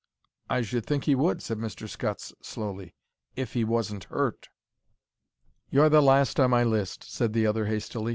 "I should think he would," said Mr. Scutts, slowly—"if he wasn't hurt." "You're the last on my list," said the other, hastily.